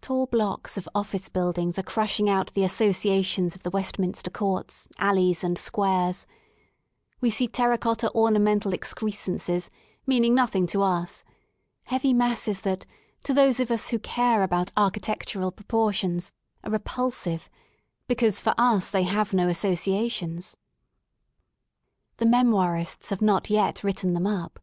Tall blocks of office buildings are crushing out the associations of the Westminster courts, alleys, and squares^ We see terra cotta ornamental excrescences, meaning nothing to us; heavy masses that, to those of us who care about architectural proportions, are re pulsive, because, for us, they have no associations. The Memoirists have not yet written them up.